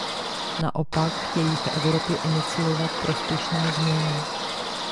Naopak, chtějí v Evropě iniciovat prospěšné změny.